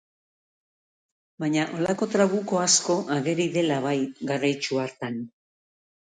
Baina holako Trabuko asko ageri dela bai, garaitsu hartan.